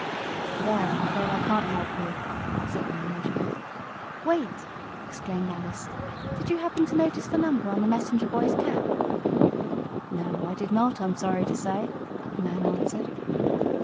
"There I'm afraid I can't help you," said the manager. "Wait!" exclaimed Alice. "Did you happen to notice the number on the messenger boy's cap?" "No, I did not, I'm sorry to say," the man answered.